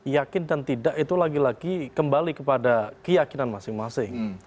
yakin dan tidak itu lagi lagi kembali kepada keyakinan masing masing